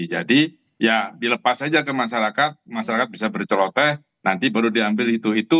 jadi ya dilepas aja ke masyarakat masyarakat bisa berceloteh nanti baru diambil itu